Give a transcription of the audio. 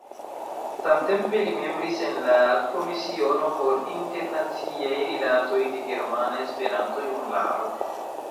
Samtempe li membris en la Komisiono por Internaciaj Rilatoj de Germana Esperanto-Junularo.